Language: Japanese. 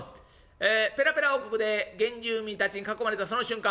ええペラペラ王国で原住民たちに囲まれたその瞬間